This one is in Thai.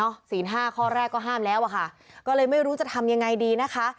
ศีลห้าข้อแรกก็ห้ามแล้วอะค่ะก็เลยไม่รู้จะทำยังไงดีนะคะ